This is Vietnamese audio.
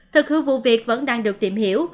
thực hư vụ việc vẫn đang được tìm hiểu